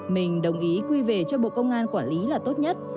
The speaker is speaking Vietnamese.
mình đồng ý quy về cho bộ công an quản lý là tốt nhất